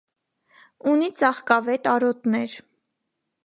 Ունի ծաղկավետ արոտներ։